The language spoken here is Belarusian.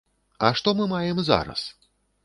А што мы маем зараз?